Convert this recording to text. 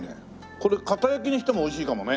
これかた焼きにしてもおいしいかもね。